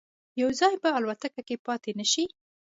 یو ځای به الوتکه کې پاتې نه شي.